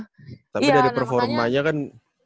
tapi dari performanya kan